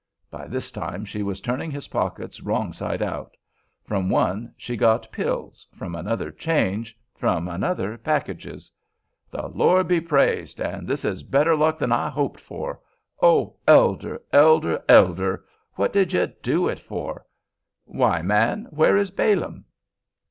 By this time she was turning his pockets wrong side out. From one she got pills, from another change, from another packages. "The Lord be praised, and this is better luck than I hoped! Oh, elder! elder! elder! what did you do it for? Why, man, where is Balaam?"